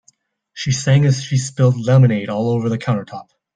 She sang as she spilled lemonade all over the countertop.